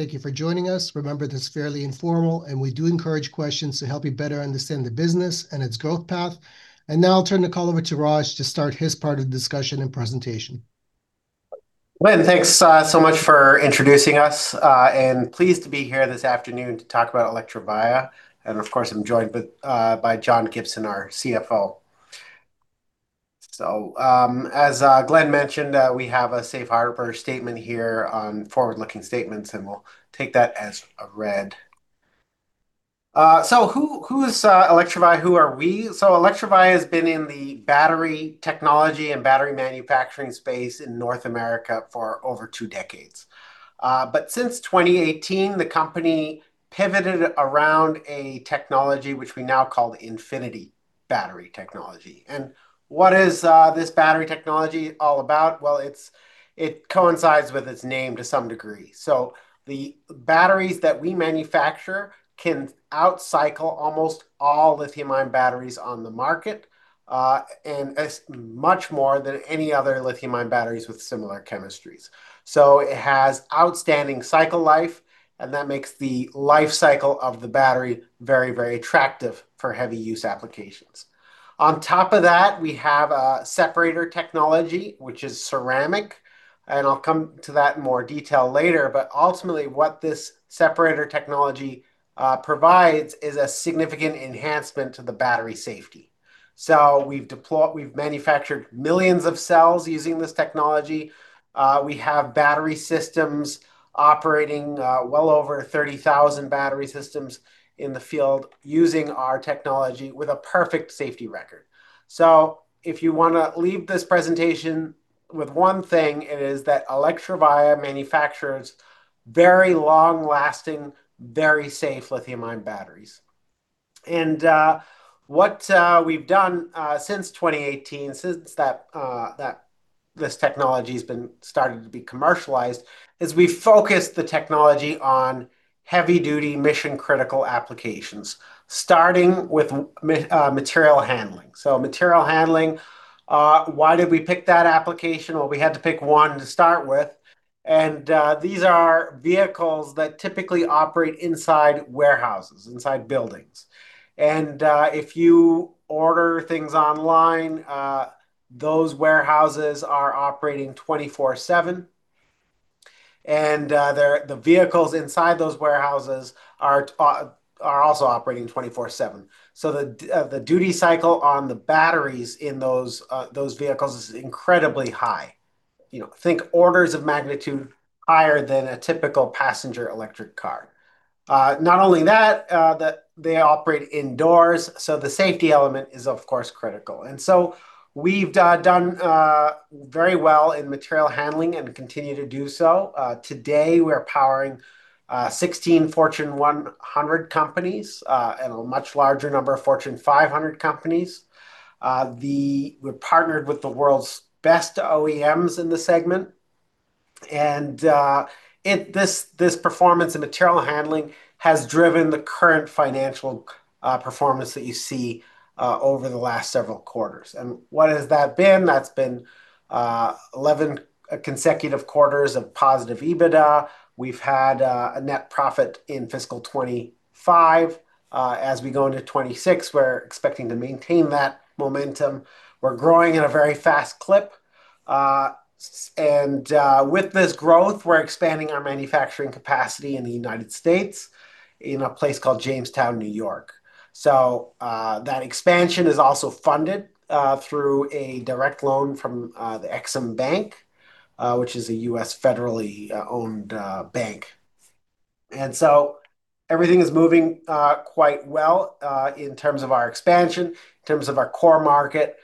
Thank you for joining us. Remember, this is fairly informal, and we do encourage questions to help you better understand the business and its growth path. Now I'll turn the call over to Raj to start his part of the discussion and presentation. Glenn, thanks so much for introducing us, and pleased to be here this afternoon to talk about Electrovaya. Of course, I'm joined by John Gibson, our CFO. As Glenn mentioned, we have a safe harbor statement here on forward-looking statements, and we'll take that as read. Who is Electrovaya? Who are we? Electrovaya has been in the battery technology and battery manufacturing space in North America for over two decades. Since 2018, the company pivoted around a technology which we now call Infinity Battery technology. What is this battery technology all about? Well, it coincides with its name to some degree. The batteries that we manufacture can out-cycle almost all lithium-ion batteries on the market, and much more than any other lithium-ion batteries with similar chemistries. It has outstanding cycle life, and that makes the life cycle of the battery very, very attractive for heavy use applications. On top of that, we have a separator technology, which is ceramic, and I'll come to that in more detail later. Ultimately, what this separator technology provides is a significant enhancement to the battery safety. We've manufactured millions of cells using this technology. We have battery systems operating well over 30,000 battery systems in the field using our technology with a perfect safety record. If you wanna leave this presentation with one thing, it is that Electrovaya manufactures very long-lasting, very safe lithium-ion batteries. What we've done since 2018, since that this technology has been starting to be commercialized, is we focused the technology on heavy-duty mission critical applications, starting with material handling. Material handling, why did we pick that application? Well, we had to pick one to start with, and these are vehicles that typically operate inside warehouses, inside buildings. If you order things online, those warehouses are operating 24/7, and the vehicles inside those warehouses are also operating 24/7. The duty cycle on the batteries in those vehicles is incredibly high. You know, think orders of magnitude higher than a typical passenger electric car. Not only that they operate indoors, so the safety element is of course critical. We've done very well in material handling and continue to do so. Today we're powering 16 Fortune 100 companies and a much larger number of Fortune 500 companies. We're partnered with the world's best OEMs in the segment. This performance in material handling has driven the current financial performance that you see over the last several quarters. What has that been? That's been 11 consecutive quarters of positive EBITDA. We've had a net profit in fiscal 2025. As we go into 2026, we're expecting to maintain that momentum. We're growing at a very fast clip. With this growth, we're expanding our manufacturing capacity in the United States in a place called Jamestown, New York. That expansion is also funded through a direct loan from the EXIM Bank, which is a U.S. federally owned bank. Everything is moving quite well in terms of our expansion, in terms of our core market.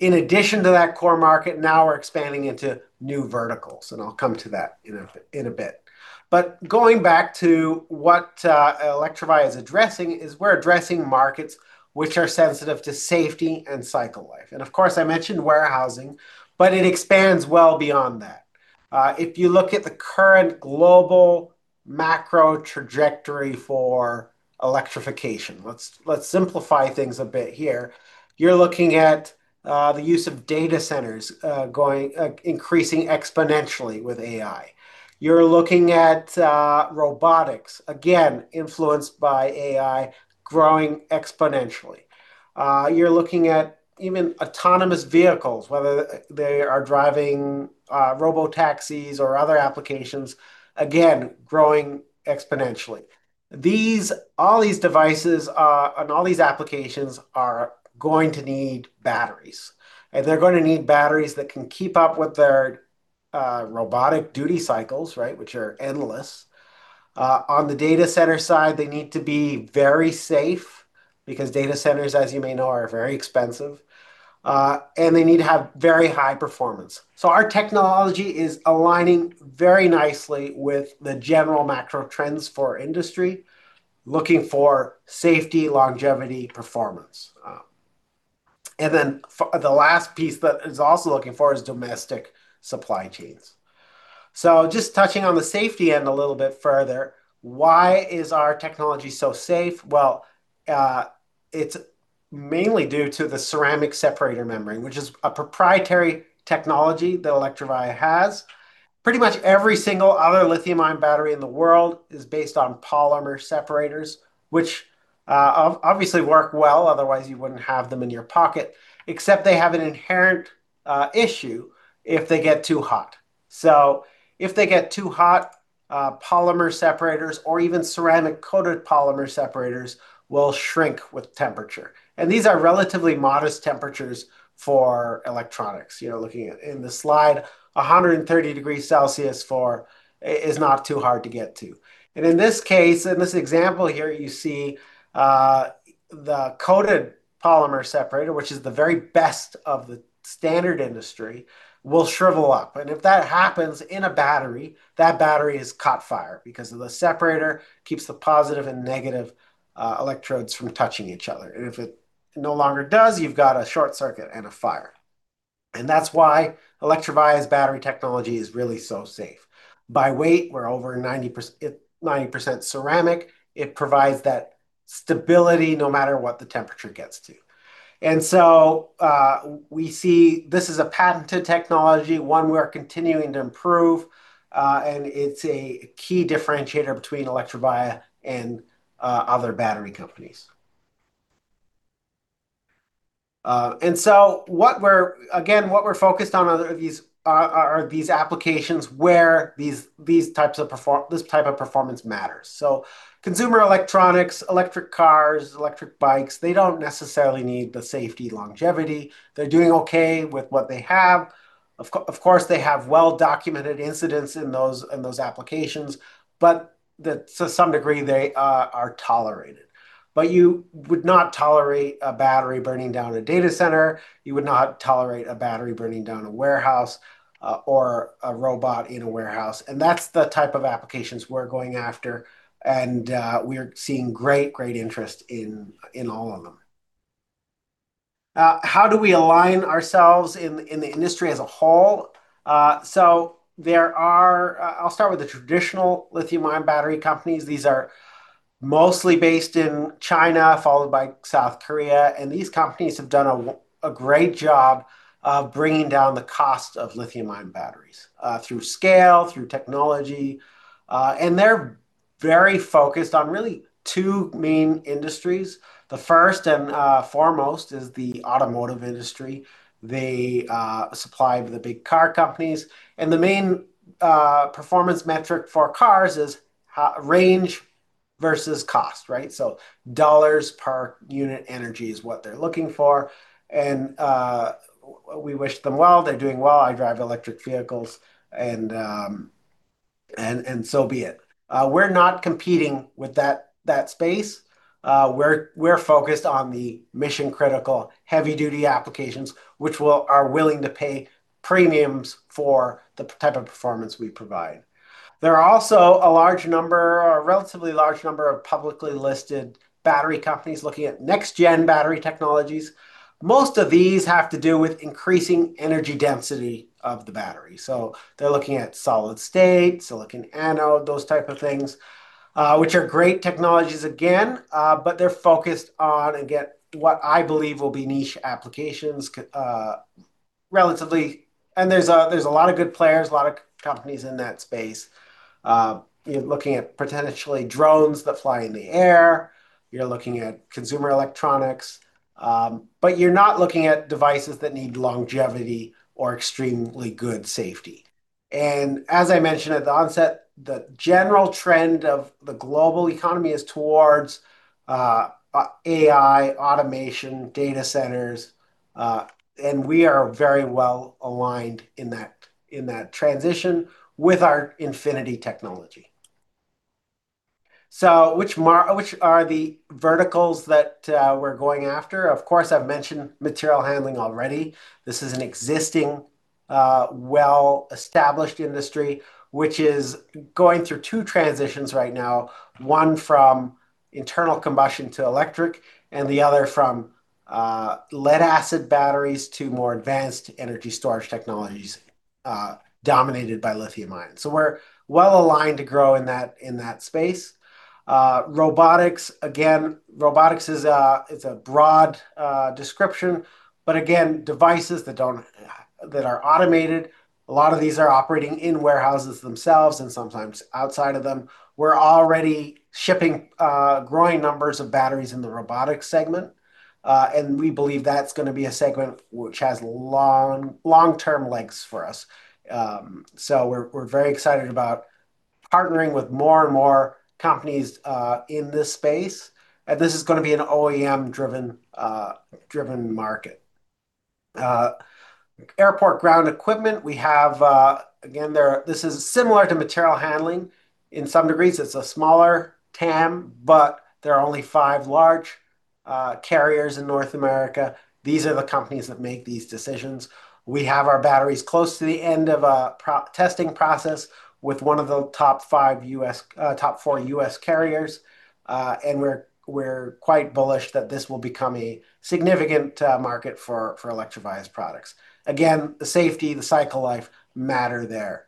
In addition to that core market, now we're expanding into new verticals, and I'll come to that in a bit. Going back to what Electrovaya is addressing is we're addressing markets which are sensitive to safety and cycle life. Of course, I mentioned warehousing, but it expands well beyond that. If you look at the current global macro trajectory for electrification, let's simplify things a bit here. You're looking at the use of data centers going increasing exponentially with AI. You're looking at robotics, again, influenced by AI, growing exponentially. You're looking at even autonomous vehicles, whether they are driving, robotaxis or other applications, again, growing exponentially. These, all these devices, and all these applications are going to need batteries, and they're gonna need batteries that can keep up with their robotic duty cycles, right, which are endless. On the data center side, they need to be very safe because data centers, as you may know, are very expensive, and they need to have very high performance. Our technology is aligning very nicely with the general macro trends for industry, looking for safety, longevity, performance. And then the last piece that it's also looking for is domestic supply chains. Just touching on the safety end a little bit further, why is our technology so safe? Well, mainly due to the ceramic separator membrane, which is a proprietary technology that Electrovaya has. Pretty much every single other lithium-ion battery in the world is based on polymer separators, which obviously work well, otherwise you wouldn't have them in your pocket, except they have an inherent issue if they get too hot. If they get too hot, polymer separators or even ceramic-coated polymer separators will shrink with temperature. These are relatively modest temperatures for electronics. You know, looking at, in the slide, 130 degrees Celsius for is not too hard to get to. In this case, in this example here, you see, the coated polymer separator, which is the very best of the standard industry, will shrivel up. If that happens in a battery, that battery has caught fire because the separator keeps the positive and negative, electrodes from touching each other. If it no longer does, you've got a short circuit and a fire. That's why Electrovaya's battery technology is really so safe. By weight, we're over 90% ceramic. It provides that stability no matter what the temperature gets to. We see this is a patented technology, one we are continuing to improve, and it's a key differentiator between Electrovaya and other battery companies. What we're focused on are these applications where this type of performance matters. Consumer electronics, electric cars, electric bikes, they don't necessarily need the safety longevity. They're doing okay with what they have. Of course, they have well-documented incidents in those, in those applications, but to some degree, they are tolerated. You would not tolerate a battery burning down a data center. You would not tolerate a battery burning down a warehouse, or a robot in a warehouse. That's the type of applications we're going after, and we're seeing great interest in all of them. How do we align ourselves in the industry as a whole? I'll start with the traditional lithium-ion battery companies. These are mostly based in China, followed by South Korea, and these companies have done a great job of bringing down the cost of lithium-ion batteries, through scale, through technology. They're very focused on really two main industries. The first and foremost is the automotive industry. They supply the big car companies. The main performance metric for cars is range versus cost, right? Dollars per unit energy is what they're looking for. We wish them well. They're doing well. I drive electric vehicles and so be it. We're not competing with that space. We're focused on the mission-critical, heavy-duty applications, are willing to pay premiums for the type of performance we provide. There are also a large number, a relatively large number of publicly listed battery companies looking at next-gen battery technologies. Most of these have to do with increasing energy density of the battery. They're looking at solid state, silicon anode, those type of things, which are great technologies again, they're focused on, again, what I believe will be niche applications relatively. There's a, there's a lot of good players, a lot of companies in that space. You're looking at potentially drones that fly in the air. You're looking at consumer electronics. But you're not looking at devices that need longevity or extremely good safety. As I mentioned at the onset, the general trend of the global economy is towards AI, automation, data centers, and we are very well-aligned in that, in that transition with our Infinity technology. Which are the verticals that we're going after? Of course, I've mentioned material handling already. This is an existing, well-established industry, which is going through two transitions right now. One from internal combustion to electric, and the other from lead-acid batteries to more advanced energy storage technologies, dominated by lithium-ion. So we're well-aligned to grow in that space. Robotics, again, robotics is a, it's a broad description, but again, devices that are automated. A lot of these are operating in warehouses themselves and sometimes outside of them. We're already shipping growing numbers of batteries in the robotics segment, and we believe that's gonna be a segment which has long, long-term legs for us. We're very excited about partnering with more and more companies in this space, and this is gonna be an OEM-driven, driven market. Airport ground equipment, we have, again, this is similar to material handling in some degrees. It's a smaller TAM, but there are only five large carriers in North America. These are the companies that make these decisions. We have our batteries close to the end of a pro-- testing process with one of the top five U.S., top four U.S. carriers, and we're quite bullish that this will become a significant market for Electrovaya's products. Again, the safety, the cycle life matter there.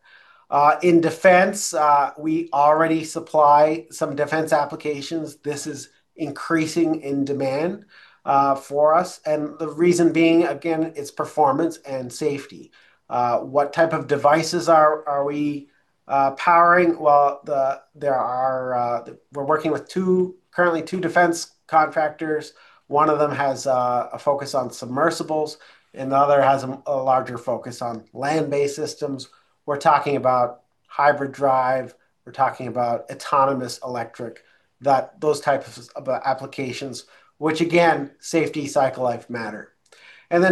In defense, we already supply some defense applications. This is increasing in demand for us, and the reason being, again, it's performance and safety. What type of devices are we powering? Well, there are, we're working with two-- currently two defense contractors. One of them has a focus on submersibles, and the other has a larger focus on land-based systems. We're talking about hybrid drive. We're talking about autonomous electric, that, those type of applications which again, safety, cycle life matter.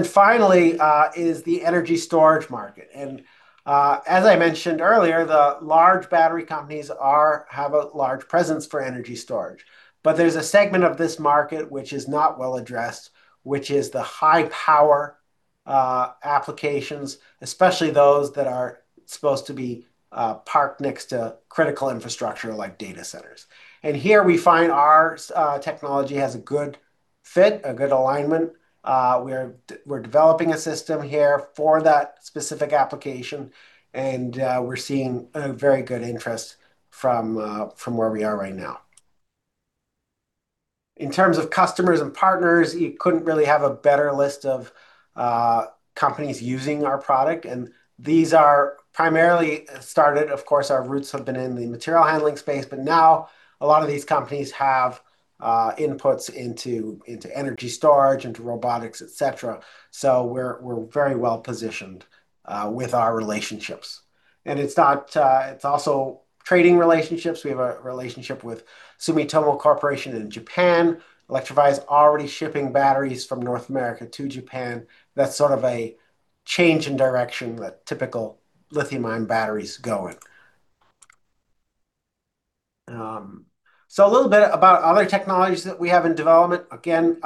Finally, is the energy storage market. As I mentioned earlier, the large battery companies are, have a large presence for energy storage. There's a segment of this market which is not well addressed, which is the high power applications, especially those that are supposed to be parked next to critical infrastructure like data centers. Here we find our technology has a good fit, a good alignment. We're developing a system here for that specific application, and we're seeing a very good interest from where we are right now. In terms of customers and partners, you couldn't really have a better list of companies using our product, and these are primarily started, of course, our roots have been in the material handling space. Now a lot of these companies have inputs into energy storage, into robotics, et cetera. We're very well-positioned with our relationships. It's not, it's also trading relationships. We have a relationship with Sumitomo Corporation in Japan. Electrovaya's already shipping batteries from North America to Japan. That's sort of a change in direction that typical lithium-ion batteries go in. A little bit about other technologies that we have in development. Again,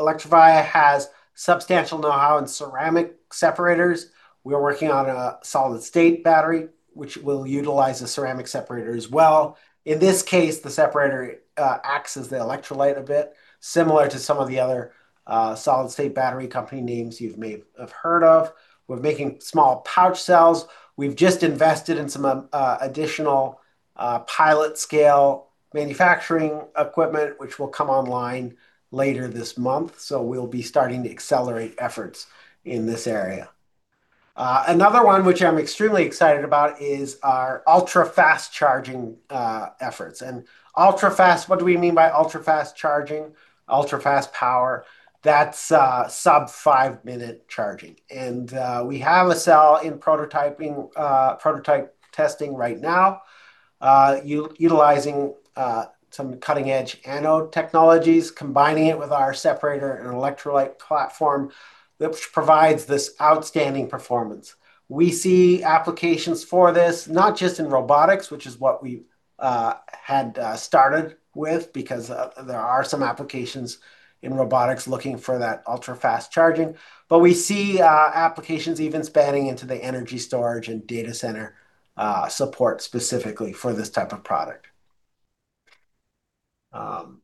Electrovaya has substantial know-how in ceramic separators. We are working on a solid state battery, which will utilize a ceramic separator as well. In this case, the separator acts as the electrolyte a bit similar to some of the other solid state battery company names you've may have heard of. We're making small pouch cells. We've just invested in some additional pilot scale manufacturing equipment, which will come online later this month. We'll be starting to accelerate efforts in this area. Another one which I'm extremely excited about is our ultra-fast charging efforts. Ultra-fast, what do we mean by ultra-fast charging, ultra-fast power? That's sub five-minute charging. We have a cell in prototyping, prototype testing right now, utilizing some cutting-edge anode technologies, combining it with our separator and electrolyte platform which provides this outstanding performance. We see applications for this not just in robotics, which is what we had started with because there are some applications in robotics looking for that ultra-fast charging. We see applications even spanning into the energy storage and data center support specifically for this type of product. The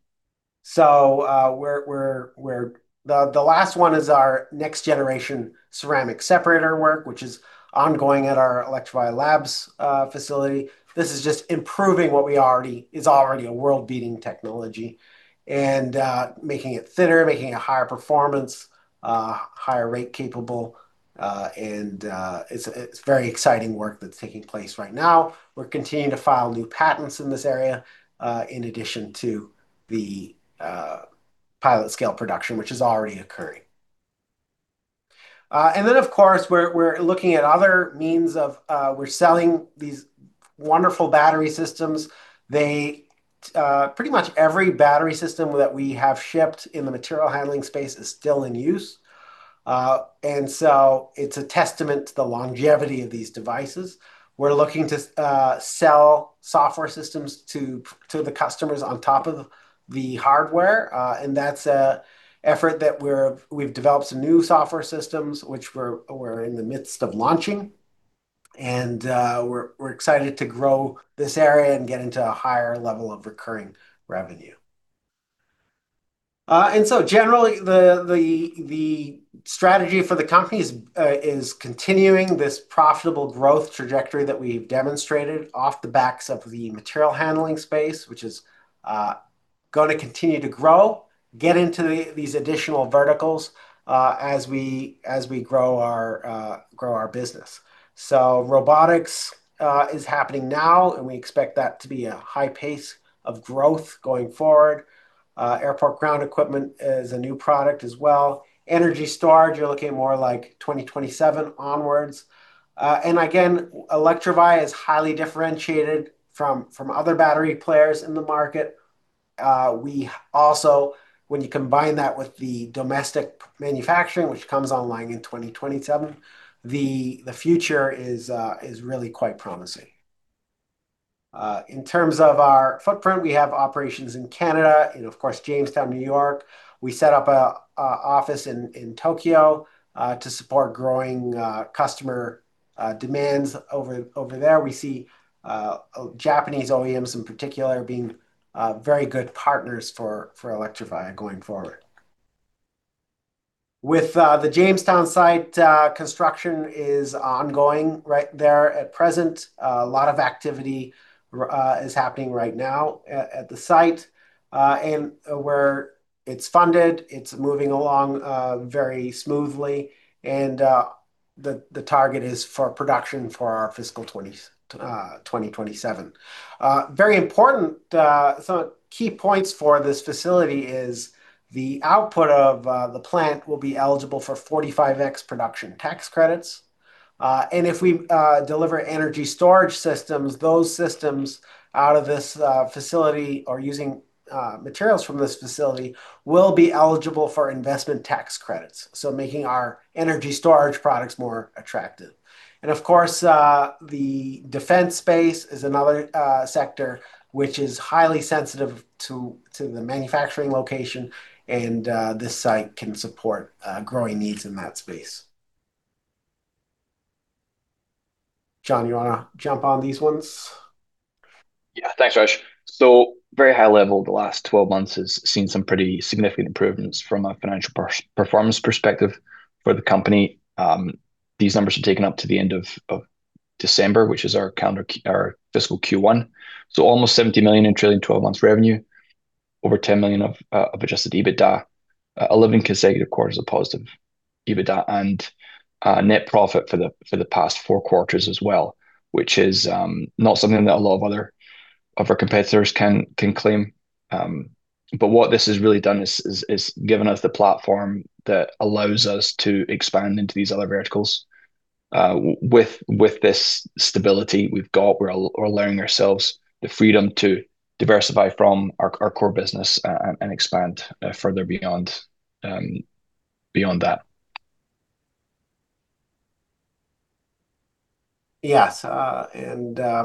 last one is our next generation ceramic separator work, which is ongoing at our Electrovaya Labs facility. This is just improving what is already a world-beating technology and making it thinner, making it higher performance, higher rate capable, and it's very exciting work that's taking place right now. We're continuing to file new patents in this area, in addition to the pilot scale production which is already occurring. Of course, we're looking at other means of we're selling these wonderful battery systems. They pretty much every battery system that we have shipped in the material handling space is still in use, it's a testament to the longevity of these devices. We're looking to sell software systems to the customers on top of the hardware, and that's a effort that we've developed some new software systems which we're in the midst of launching and, we're excited to grow this area and get into a higher level of recurring revenue. Generally, the strategy for the company is continuing this profitable growth trajectory that we've demonstrated off the backs of the material handling space, which is gonna continue to grow, get into these additional verticals, as we grow our grow our business. Robotics is happening now, and we expect that to be a high pace of growth going forward. Airport ground equipment is a new product as well. Energy storage, you're looking more like 2027 onwards. Again, Electrovaya is highly differentiated from other battery players in the market. We also, when you combine that with the domestic manufacturing which comes online in 2027, the future is really quite promising. In terms of our footprint, we have operations in Canada and, of course, Jamestown, New York. We set up a office in Tokyo to support growing customer demands over there. We see Japanese OEMs in particular being very good partners for Electrovaya going forward. With the Jamestown site, construction is ongoing right there at present. A lot of activity is happening right now at the site. Where it's funded, it's moving along very smoothly, and the target is for production for our fiscal 2027. Very important, key points for this facility is the output of the plant will be eligible for 45x production tax credits. If we deliver energy storage systems, those systems out of this facility are using materials from this facility will be eligible for investment tax credits, making our energy storage products more attractive. Of course, the defense space is another sector which is highly sensitive to the manufacturing location, and this site can support growing needs in that space. John, you wanna jump on these ones? Yeah. Thanks, Raj. Very high level the last 12 months has seen some pretty significant improvements from a financial performance perspective for the company. These numbers are taken up to the end of December, which is our calendar our fiscal Q1. Almost $70 million in trailing 12 months revenue. Over $10 million of adjusted EBITDA. 11 consecutive quarters of positive EBITDA and net profit for the past four quarters as well, which is not something that a lot of other, of our competitors can claim. What this has really done is given us the platform that allows us to expand into these other verticals. With this stability we've got, we're allowing ourselves the freedom to diversify from our core business and expand further beyond beyond that. Yes. Yeah.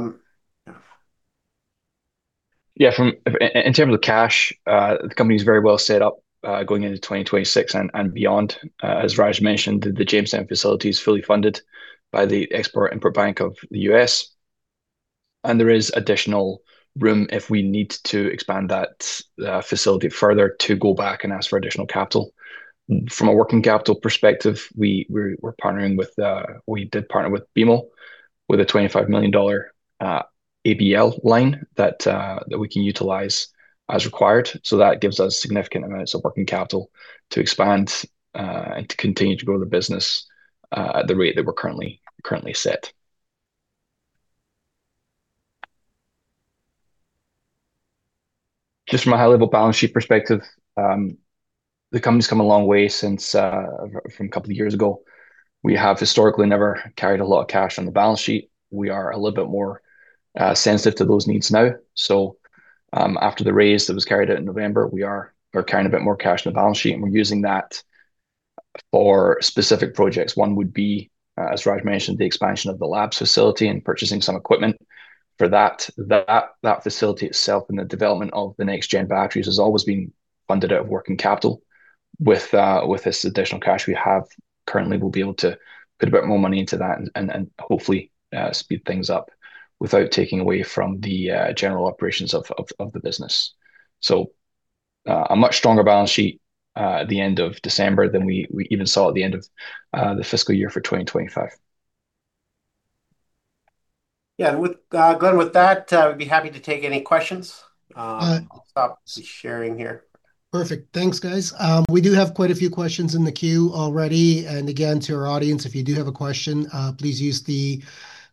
In terms of cash, the company's very well set up going into 2026 and beyond. As Raj mentioned, the Jamestown facility is fully funded by the Export-Import Bank of the U.S., there is additional room if we need to expand that facility further to go back and ask for additional capital. From a working capital perspective, we're partnering with, we did partner with BMO with a $25 million ABL line that we can utilize as required. That gives us significant amounts of working capital to expand and to continue to grow the business at the rate that we're currently set. Just from a high level balance sheet perspective, the company's come a long way since from a couple of years ago. We have historically never carried a lot of cash on the balance sheet. We are a little bit more sensitive to those needs now. After the raise that was carried out in November, we're carrying a bit more cash in the balance sheet, and we're using that for specific projects. One would be as Raj mentioned, the expansion of the Labs facility and purchasing some equipment for that. That facility itself and the development of the next gen batteries has always been funded out of working capital. With this additional cash we have currently, we'll be able to put a bit more money into that and, hopefully, speed things up without taking away from the general operations of the business. A much stronger balance sheet, at the end of December than we even saw at the end of the fiscal year for 2025. Yeah. Glenn, with that, we'd be happy to take any questions. I'll stop sharing here. Perfect. Thanks, guys. We do have quite a few questions in the queue already. Again, to our audience, if you do have a question, please use the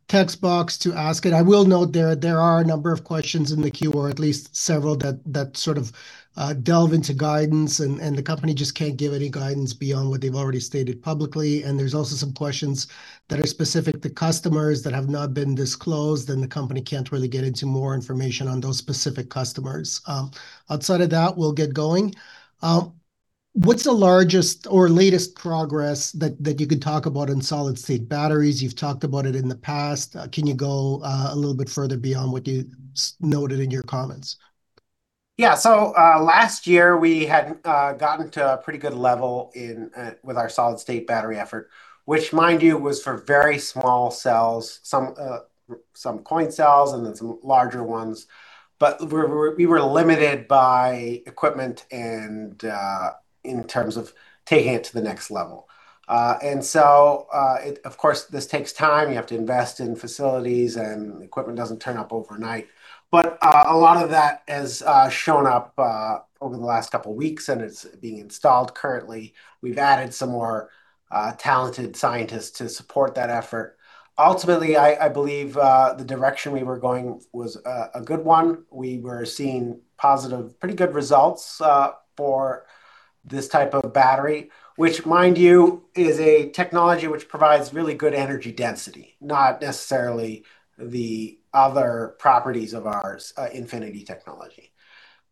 text box to ask it. I will note there are a number of questions in the queue, or at least several that sort of delve into guidance, and the company just can't give any guidance beyond what they've already stated publicly. There's also some questions that are specific to customers that have not been disclosed, and the company can't really get into more information on those specific customers. Outside of that, we'll get going. What's the largest or latest progress that you could talk about in solid-state batteries? You've talked about it in the past. Can you go a little bit further beyond what you noted in your comments? Yeah. Last year, we had gotten to a pretty good level in with our solid-state battery effort, which mind you, was for very small cells, some coin cells and then some larger ones. We were limited by equipment and in terms of taking it to the next level. It, of course, this takes time. You have to invest in facilities, and equipment doesn't turn up overnight. A lot of that has shown up over the last couple weeks, and it's being installed currently. We've added some more talented scientists to support that effort. Ultimately, I believe, the direction we were going was a good one. We were seeing positive, pretty good results for this type of battery, which mind you, is a technology which provides really good energy density, not necessarily the other properties of our Infinity technology.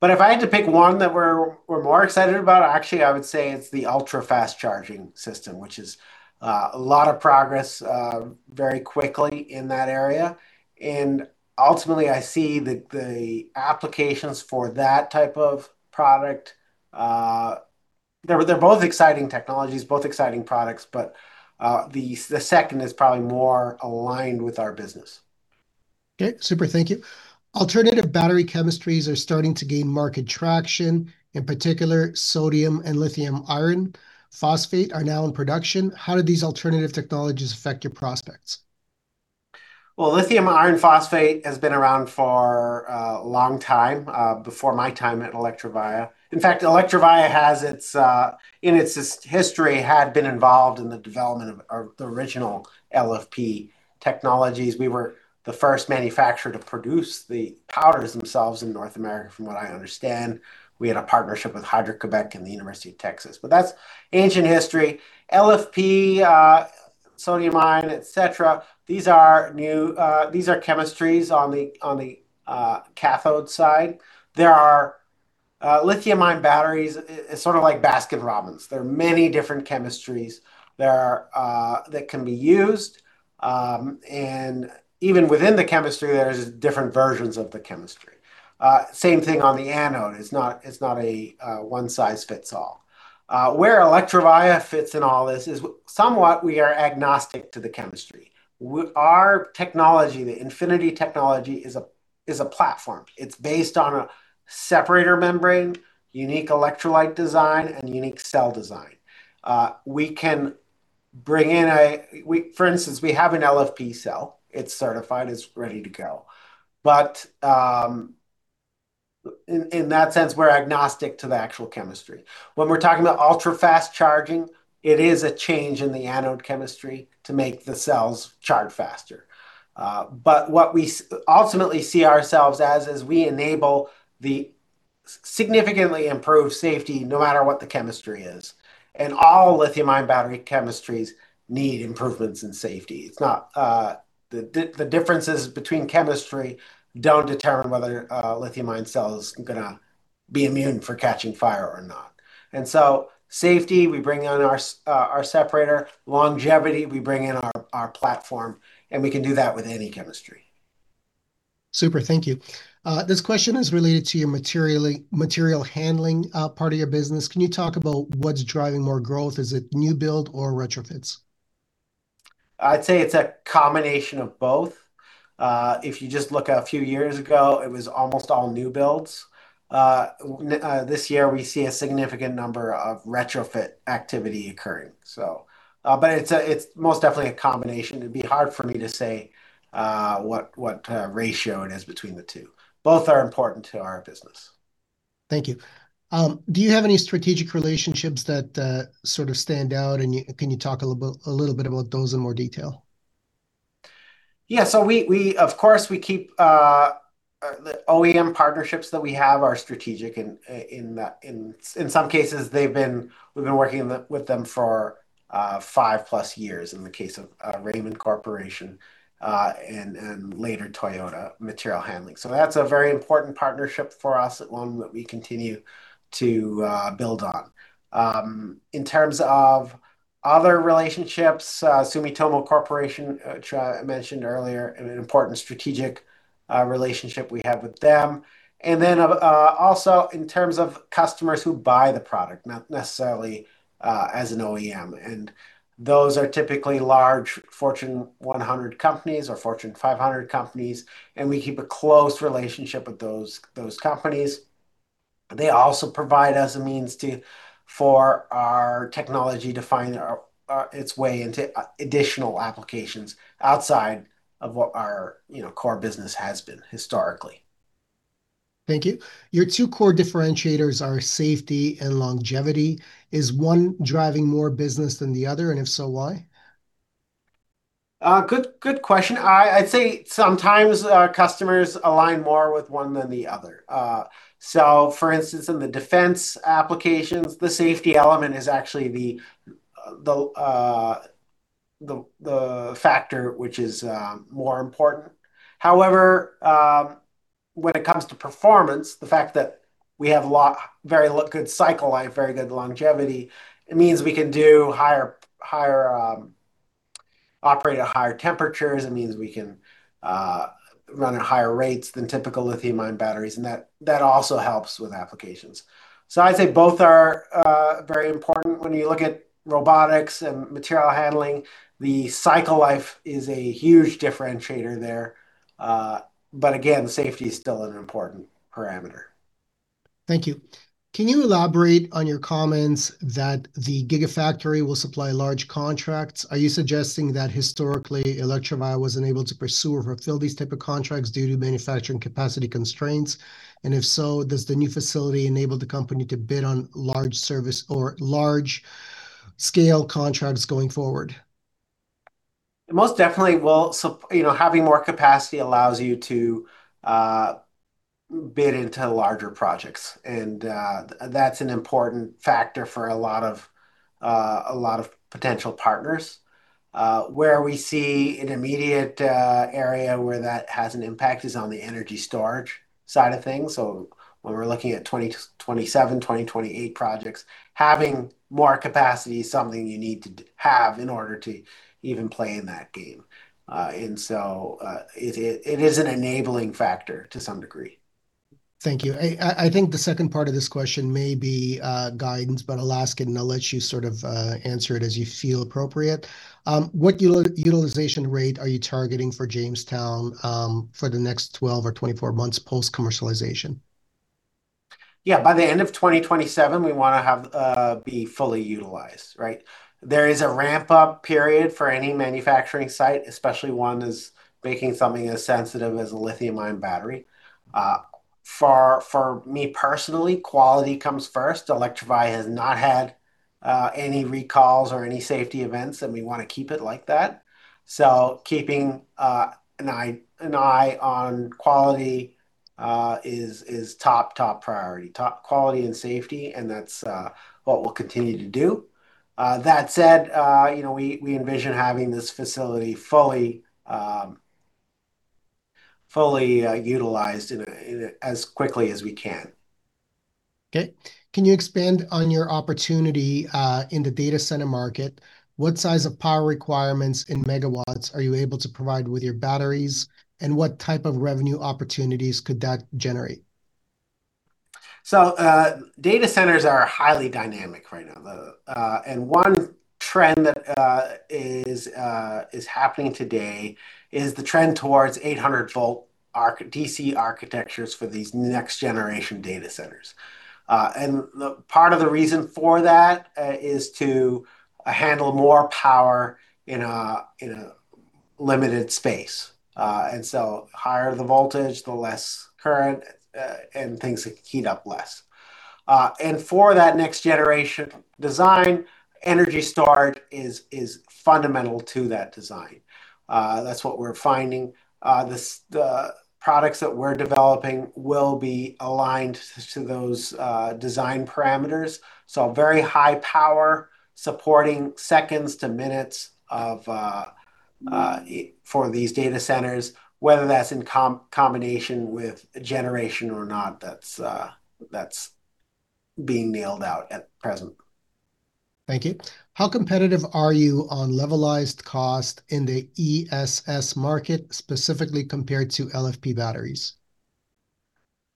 If I had to pick one that we're more excited about, actually, I would say it's the ultra-fast charging system, which is a lot of progress very quickly in that area. Ultimately, I see the applications for that type of product. They're both exciting technologies, both exciting products, but the second is probably more aligned with our business. Okay. Super. Thank you. Alternative battery chemistries are starting to gain market traction, in particular sodium and lithium iron phosphate are now in production. How do these alternative technologies affect your prospects? Well, lithium iron phosphate has been around for a long time, before my time at Electrovaya. In fact, Electrovaya has its history had been involved in the development of the original LFP technologies. We were the first manufacturer to produce the powders themselves in North America, from what I understand. We had a partnership with Hydro-Québec and The University of Texas, that's ancient history. LFP, sodium-ion, et cetera, these are new, these are chemistries on the cathode side. There are lithium-ion batteries, it's sort of like Baskin-Robbins. There are many different chemistries that can be used. Even within the chemistry, there's different versions of the chemistry. Same thing on the anode. It's not a one size fits all. Where Electrovaya fits in all this is somewhat we are agnostic to the chemistry. Our technology, the Infinity technology, is a platform. It's based on a separator membrane, unique electrolyte design and unique cell design. For instance, we have an LFP cell. It's certified. It's ready to go. In that sense, we're agnostic to the actual chemistry. When we're talking about ultra-fast charging, it is a change in the anode chemistry to make the cells charge faster. What we ultimately see ourselves as is we enable the significantly improved safety no matter what the chemistry is, and all lithium-ion battery chemistries need improvements in safety. It's not the differences between chemistry don't determine whether a lithium-ion cell is gonna be immune for catching fire or not. Safety, we bring in our separator. Longevity, we bring in our platform, and we can do that with any chemistry. Super. Thank you. This question is related to your material handling, part of your business. Can you talk about what's driving more growth? Is it new build or retrofits? I'd say it's a combination of both. If you just look a few years ago, it was almost all new builds. This year we see a significant number of retrofit activity occurring. It's most definitely a combination. It'd be hard for me to say what ratio it is between the two. Both are important to our business. Thank you. Do you have any strategic relationships that, sort of stand out, and can you talk a little bit about those in more detail? Yeah. We of course, we keep the OEM partnerships that we have are strategic in some cases, we've been working with them for five years-plus in the case of Raymond Corporation, and later Toyota Material Handling. That's a very important partnership for us, and one that we continue to build on. In terms of other relationships, Sumitomo Corporation, which I mentioned earlier, an important strategic relationship we have with them. Also in terms of customers who buy the product, not necessarily as an OEM, and those are typically large Fortune 100 companies or Fortune 500 companies, and we keep a close relationship with those companies. They also provide us a means to, for our technology to find, its way into, additional applications outside of what our, you know, core business has been historically. Thank you. Your two core differentiators are safety and longevity. Is one driving more business than the other, and if so, why? Good question. I'd say sometimes our customers align more with one than the other. For instance, in the defense applications, the safety element is actually the factor which is more important. However, when it comes to performance, the fact that we have very good cycle life, very good longevity, it means we can do higher, operate at higher temperatures. It means we can run at higher rates than typical lithium-ion batteries, and that also helps with applications. I'd say both are very important. When you look at robotics and material handling, the cycle life is a huge differentiator there. Again, safety is still an important parameter. Thank you. Can you elaborate on your comments that the gigafactory will supply large contracts? Are you suggesting that historically Electrovaya wasn't able to pursue or fulfill these type of contracts due to manufacturing capacity constraints? If so, does the new facility enable the company to bid on large service or large scale contracts going forward? It most definitely will, you know, having more capacity allows you to bid into larger projects, and that's an important factor for a lot of potential partners. Where we see an immediate area where that has an impact is on the energy storage side of things. When we're looking at 2027, 2028 projects, having more capacity is something you need to have in order to even play in that game. It is an enabling factor to some degree. Thank you. I think the second part of this question may be guidance, but I'll ask it and I'll let you sort of answer it as you feel appropriate. What utilization rate are you targeting for Jamestown, for the next 12 or 24 months post-commercialization? By the end of 2027, we wanna have, be fully utilized, right? There is a ramp-up period for any manufacturing site, especially one that's making something as sensitive as a lithium-ion battery. For me personally, quality comes first. Electrovaya has not had, any recalls or any safety events, and we wanna keep it like that. Keeping an eye on quality is top priority. Top quality and safety, that's what we'll continue to do. You know, we envision having this facility fully utilized as quickly as we can. Okay. Can you expand on your opportunity in the data center market? What size of power requirements in megawatts are you able to provide with your batteries? What type of revenue opportunities could that generate? Data centers are highly dynamic right now. One trend that is happening today is the trend towards 800 volt DC architectures for these next generation data centers. The part of the reason for that is to handle more power in a limited space. Higher the voltage, the less current, and things heat up less. For that next generation design, energy storage is fundamental to that design. That's what we're finding. The products that we're developing will be aligned to those design parameters. Very high power, supporting seconds to minutes of for these data centers, whether that's in combination with a generation or not, that's being nailed out at present. Thank you. How competitive are you on levelized cost in the ESS market, specifically compared to LFP batteries?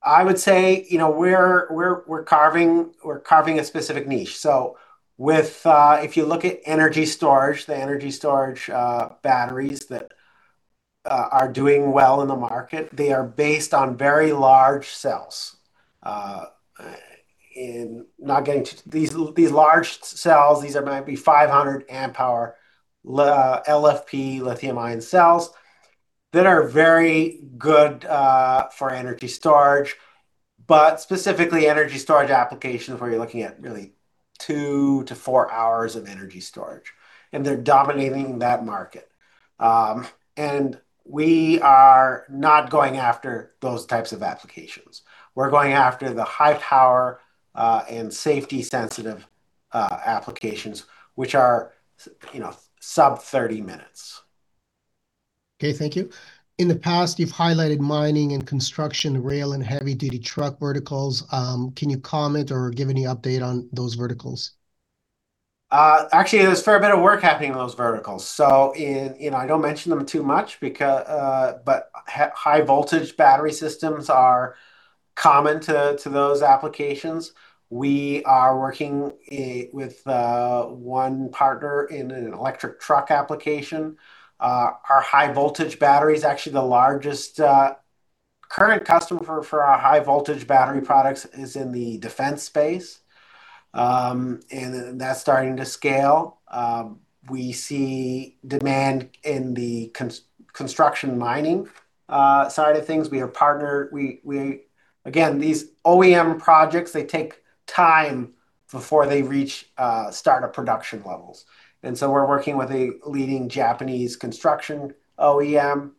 I would say, you know, we're carving a specific niche. With, if you look at energy storage, the energy storage batteries that are doing well in the market, they are based on very large cells. These large cells might be 500 amp hour LFP lithium-ion cells that are very good for energy storage, but specifically energy storage applications where you're looking at really two to four hours of energy storage, and they're dominating that market. We are not going after those types of applications. We're going after the high power and safety sensitive applications, which are, you know, sub-30 minutes. Okay, thank you. In the past, you've highlighted mining and construction, rail and heavy duty truck verticals. Can you comment or give any update on those verticals? Actually, there's fair bit of work happening in those verticals. You know, I don't mention them too much because, but high-voltage battery systems are common to those applications. We are working with one partner in an electric truck application. Our high-voltage battery is actually the largest. Current customer for our high-voltage battery products is in the defense space, and that's starting to scale. We see demand in the construction mining side of things. We have partnered. Again, these OEM projects, they take time before they reach startup production levels. We're working with a leading Japanese construction OEM,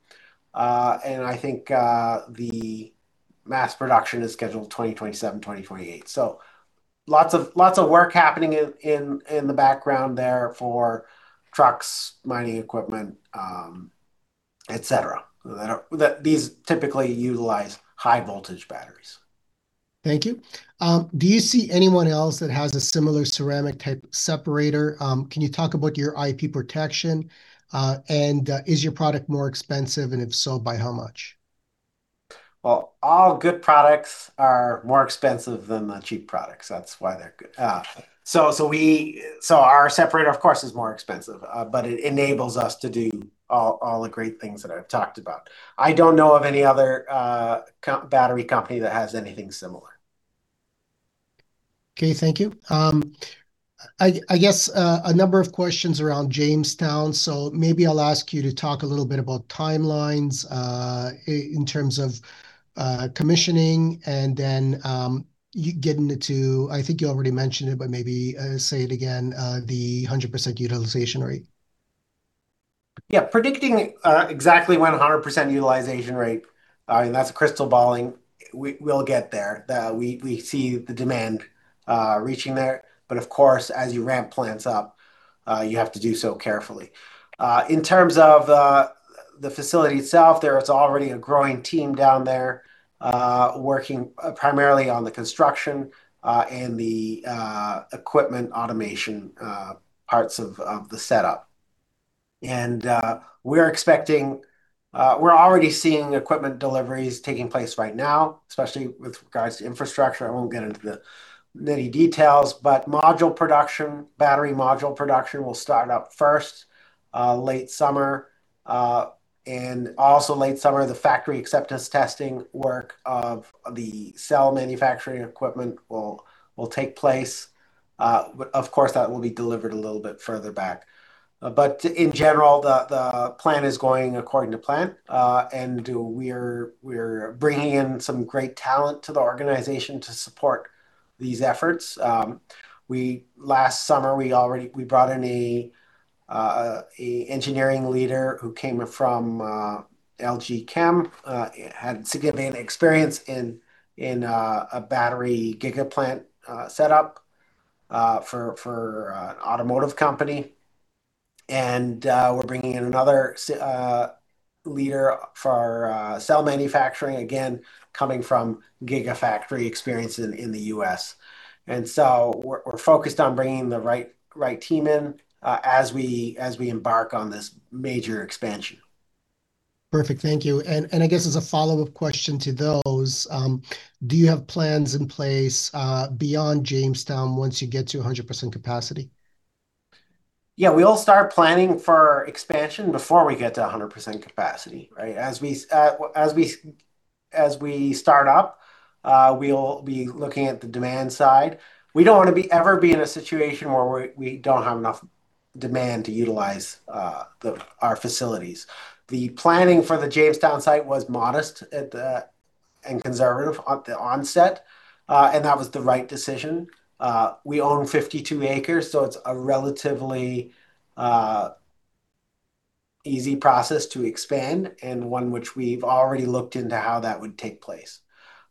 and I think the mass production is scheduled 2027, 2028. Lots of work happening in the background there for trucks, mining equipment, et cetera, that these typically utilize high-voltage batteries. Thank you. Do you see anyone else that has a similar ceramic type separator? Can you talk about your IP protection? Is your product more expensive, and if so, by how much? Well, all good products are more expensive than the cheap products. That's why they're good. Our separator, of course, is more expensive, but it enables us to do all the great things that I've talked about. I don't know of any other battery company that has anything similar. Okay, thank you. I guess, a number of questions around Jamestown. Maybe I'll ask you to talk a little bit about timelines, in terms of commissioning and then, you getting to, I think you already mentioned it, but maybe, say it again, the 100% utilization rate. Yeah. Predicting exactly 100% utilization rate, and that's crystal balling. We'll get there. We see the demand reaching there. Of course, as you ramp plants up, you have to do so carefully. In terms of the facility itself, there is already a growing team down there, working primarily on the construction and the equipment automation parts of the setup. We're expecting, we're already seeing equipment deliveries taking place right now, especially with regards to infrastructure. I won't get into the nitty details, but module production, battery module production will start up first, late summer. Also late summer, the factory acceptance testing work of the cell manufacturing equipment will take place. Of course, that will be delivered a little bit further back. In general, the plan is going according to plan. We're bringing in some great talent to the organization to support these efforts. Last summer, we brought in a engineering leader who came from LG Chem, had significant experience in a battery gigaplant setup for automotive company. We're bringing in another leader for cell manufacturing, again, coming from gigafactory experience in the U.S.. We're focused on bringing the right team in as we embark on this major expansion. Perfect. Thank you. I guess as a follow-up question to those, do you have plans in place beyond Jamestown once you get to 100% capacity? Yeah. We all start planning for expansion before we get to 100% capacity, right? As we start up, we'll be looking at the demand side. We don't wanna be, ever be in a situation where we don't have enough demand to utilize the, our facilities. The planning for the Jamestown site was modest and conservative at the onset, and that was the right decision. We own 52 acres, so it's a relatively easy process to expand and one which we've already looked into how that would take place.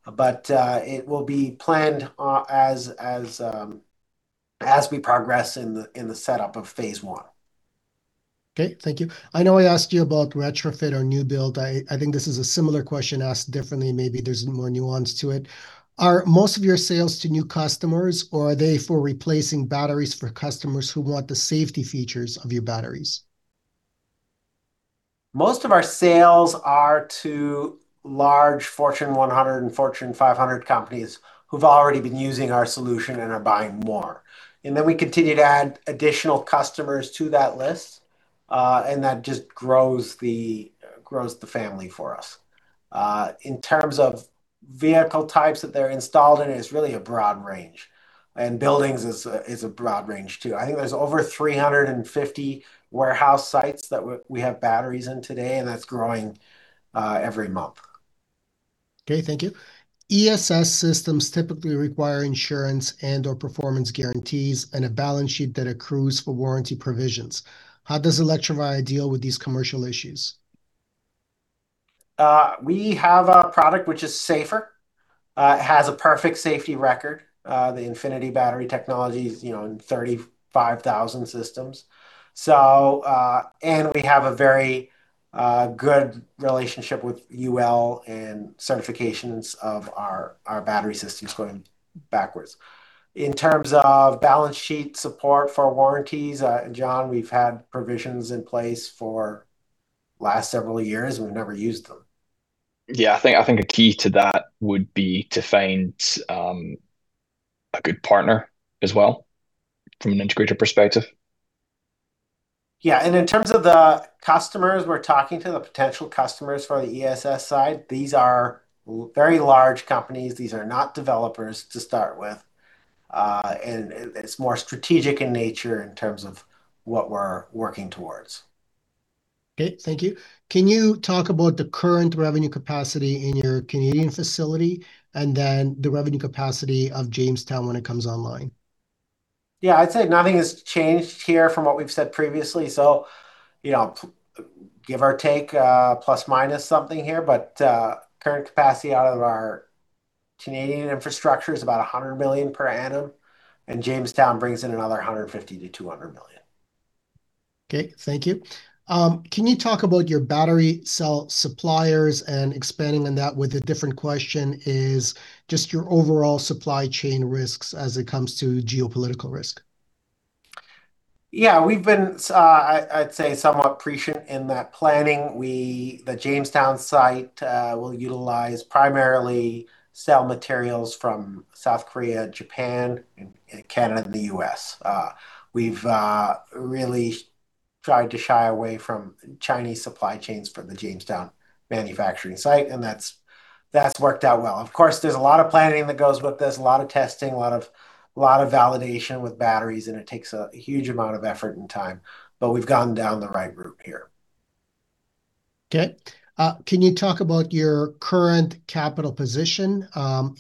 It will be planned as we progress in the setup of phase I. Okay, thank you. I know I asked you about retrofit or new build. I think this is a similar question asked differently. Maybe there's more nuance to it. Are most of your sales to new customers or are they for replacing batteries for customers who want the safety features of your batteries? Most of our sales are to large Fortune 100 and Fortune 500 companies who've already been using our solution and are buying more. We continue to add additional customers to that list, and that just grows the family for us. In terms of vehicle types that they're installed in, it's really a broad range, and buildings is a broad range too. I think there's over 350 warehouse sites that we have batteries in today, and that's growing every month. Okay, thank you. ESS systems typically require insurance and/or performance guarantees and a balance sheet that accrues for warranty provisions. How does Electrovaya deal with these commercial issues? We have a product which is safer, has a perfect safety record. The Infinity Battery Technology is, you know, in 35,000 systems. And we have a very good relationship with UL and certifications of our battery systems going backwards. In terms of balance sheet support for warranties, John, we've had provisions in place for last several years, and we've never used them. Yeah. I think a key to that would be to find a good partner as well from an integrator perspective. Yeah. In terms of the customers we're talking to, the potential customers for the ESS side, these are very large companies. These are not developers to start with. It's more strategic in nature in terms of what we're working towards. Okay, thank you. Can you talk about the current revenue capacity in your Canadian facility and then the revenue capacity of Jamestown when it comes online? Yeah. I'd say nothing has changed here from what we've said previously. You know, give or take, plus/minus something here, current capacity out of our Canadian infrastructure is about $100 million per annum, and Jamestown brings in another $150 million-$200 million. Okay, thank you. Can you talk about your battery cell suppliers? Expanding on that with a different question is just your overall supply chain risks as it comes to geopolitical risk? We've been, I'd say, somewhat prescient in that planning. The Jamestown site will utilize primarily cell materials from South Korea, Japan, and Canada, and the U.S. We've really tried to shy away from Chinese supply chains for the Jamestown manufacturing site. That's worked out well. Of course, there's a lot of planning that goes with this, a lot of testing, a lot of validation with batteries. It takes a huge amount of effort and time. We've gone down the right route here. Okay. Can you talk about your current capital position,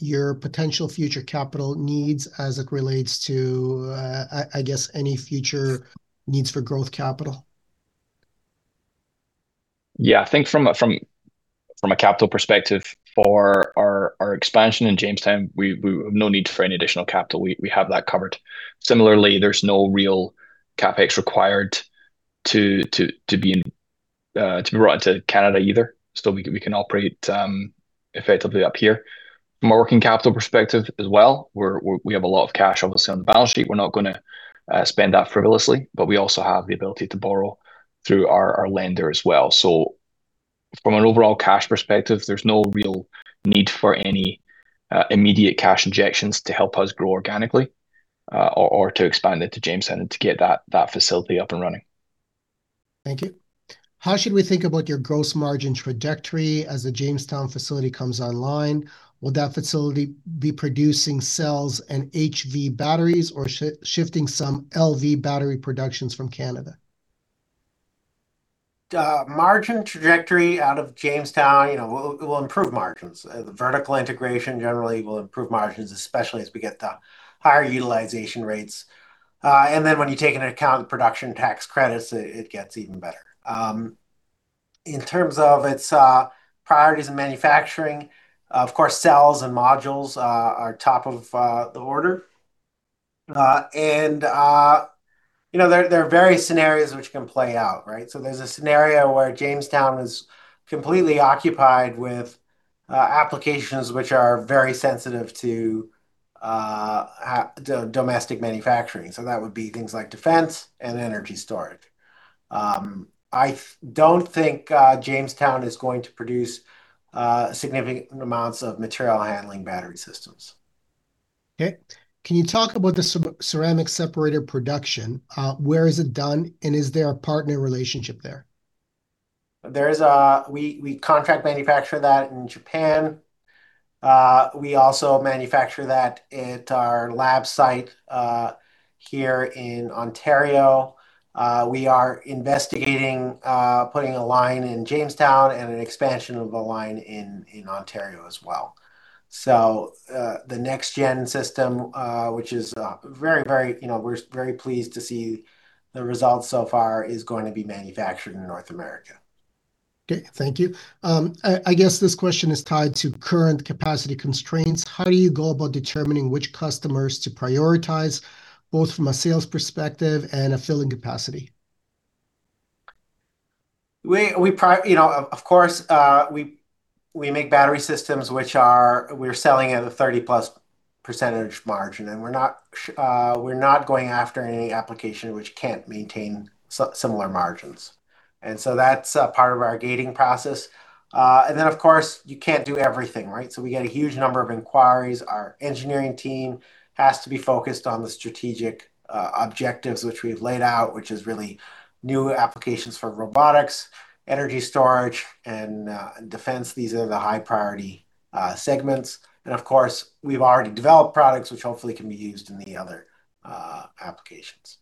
your potential future capital needs as it relates to, I guess, any future needs for growth capital? Yeah. Thank you so much. I think from a capital perspective for our expansion in Jamestown, we have no need for any additional capital. We have that covered. Similarly, there's no real CapEx required to be brought into Canada either. We can operate effectively up here. From a working capital perspective as well, we have a lot of cash obviously on the balance sheet. We're not gonna spend that frivolously, but we also have the ability to borrow through our lender as well. From an overall cash perspective, there's no real need for any immediate cash injections to help us grow organically or to expand into Jamestown to get that facility up and running. Thank you. How should we think about your gross margin trajectory as the Jamestown facility comes online? Will that facility be producing cells and HV batteries or shifting some LV battery productions from Canada? The margin trajectory out of Jamestown, you know, will improve margins. The vertical integration generally will improve margins, especially as we get the higher utilization rates. When you take into account the production tax credits, it gets even better. In terms of its priorities in manufacturing, of course cells and modules are top of the order. You know, there are various scenarios which can play out, right? There's a scenario where Jamestown is completely occupied with applications which are very sensitive to domestic manufacturing. That would be things like defense and energy storage. I don't think Jamestown is going to produce significant amounts of material handling battery systems. Okay. Can you talk about the ceramic separator production? Where is it done, and is there a partner relationship there? There is-- We contract manufacture that in Japan. We also manufacture that at our lab site here in Ontario. We are investigating putting a line in Jamestown and an expansion of a line in Ontario as well. The next gen system, which is very, very, you know, we're very pleased to see the results so far, is going to be manufactured in North America. Okay, thank you. I guess this question is tied to current capacity constraints. How do you go about determining which customers to prioritize, both from a sales perspective and a filling capacity? We-- You know, of course, we make battery systems which are, we're selling at a +30% margin and we're not going after any application which can't maintain similar margins. That's part of our gating process. Then of course you can't do everything, right? We get a huge number of inquiries. Our engineering team has to be focused on the strategic objectives which we've laid out, which is really new applications for robotics, energy storage, and defense. These are the high priority segments. Of course we've already developed products which hopefully can be used in the other applications.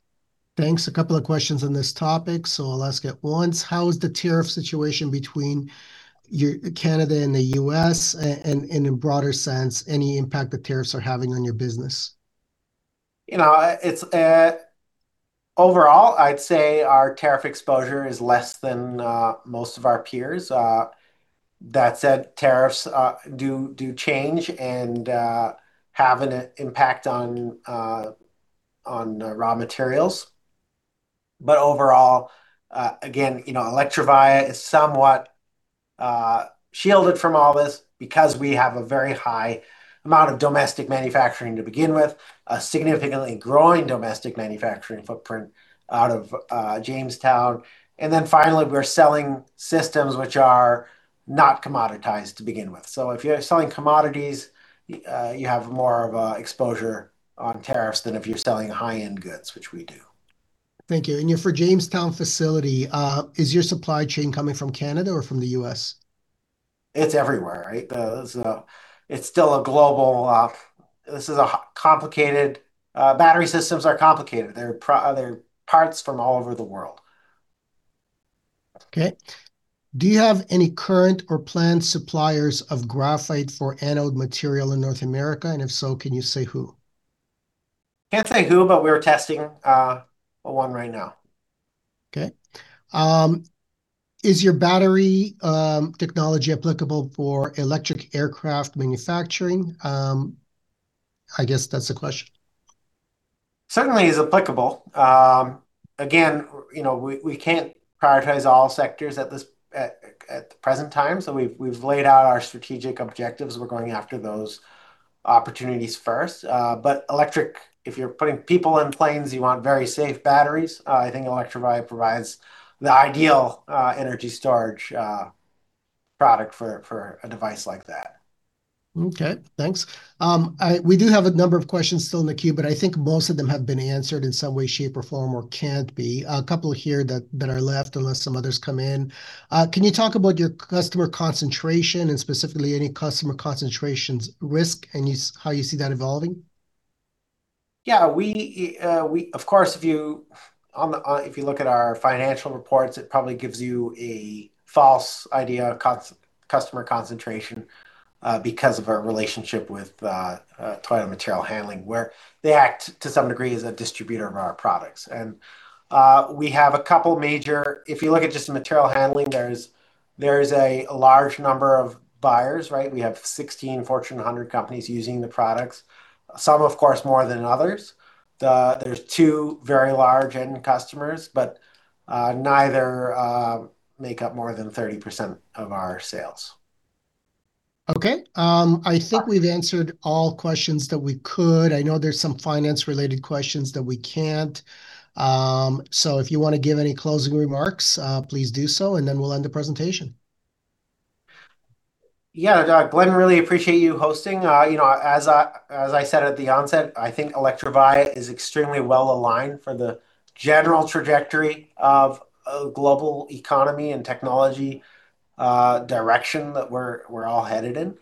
Thanks. A couple of questions on this topic, so I'll ask it once. How is the tariff situation between Canada and the U.S., and in broader sense, any impact that tariffs are having on your business? You know, Overall I'd say our tariff exposure is less than most of our peers. That said, tariffs do change and have an impact on raw materials. Overall, again, you know, Electrovaya is somewhat shielded from all this because we have a very high amount of domestic manufacturing to begin with, a significantly growing domestic manufacturing footprint out of Jamestown. Finally, we're selling systems which are not commoditized to begin with. If you're selling commodities, you have more of a exposure on tariffs than if you're selling high-end goods, which we do. Thank you. For Jamestown facility, is your supply chain coming from Canada or from the U.S.? It's everywhere, right? there's-- It's still a global, complicated-- battery systems are complicated. They're parts from all over the world. Okay. Do you have any current or planned suppliers of graphite for anode material in North America? If so, can you say who? Can't say who, but we're testing one right now. Okay. Is your battery technology applicable for electric aircraft manufacturing? I guess that's the question. Certainly is applicable. Again, you know, we can't prioritize all sectors at the present time. We've laid out our strategic objectives. We're going after those opportunities first. Electric, if you're putting people in planes, you want very safe batteries. I think Electrovaya provides the ideal energy storage product for a device like that. Okay, thanks. We do have a number of questions still in the queue, I think most of them have been answered in some way, shape, or form, or can't be. A couple here that are left, unless some others come in. Can you talk about your customer concentration, and specifically any customer concentrations risk, and you how you see that evolving? Yeah. We-- Of course if you look at our financial reports, it probably gives you a false idea of customer concentration because of our relationship with Toyota Material Handling, where they act to some degree as a distributor of our products. We have a couple major. If you look at just the material handling, there is a large number of buyers, right? We have 16 Fortune 100 companies using the products. Some of course more than others. There's two very large end customers, but neither make up more than 30% of our sales. Okay. I think we've answered all questions that we could. I know there's some finance-related questions that we can't. If you wanna give any closing remarks, please do so and then we'll end the presentation. Glenn, really appreciate you hosting. You know, as I said at the onset, I think Electrovaya is extremely well aligned for the general trajectory of a global economy and technology direction that we're all headed in.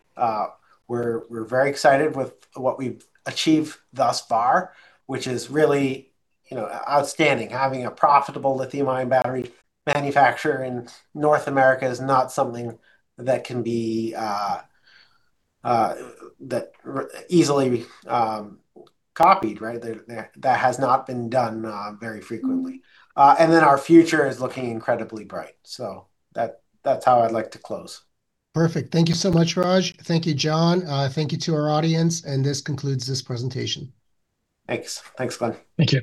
We're very excited with what we've achieved thus far, which is really, you know, outstanding. Having a profitable lithium-ion battery manufacturer in North America is not something that can be easily copied, right? That has not been done very frequently. Our future is looking incredibly bright. That's how I'd like to close. Perfect. Thank you so much, Raj. Thank you, John. Thank you to our audience, and this concludes this presentation. Thanks. Thanks, Glenn. Thank you.